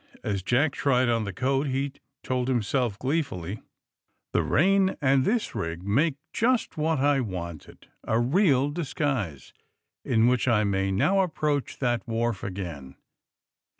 As Jack tried on the coat he told himself gleefully: *^The rain and this rig make just what I wanted^ — a real disguise in which I may now ap proach that wharf again.